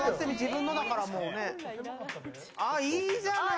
あー、いいじゃない。